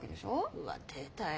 うわ出たよ。